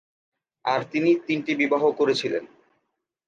আর তিনি তিনটি বিবাহ করেছিলেন।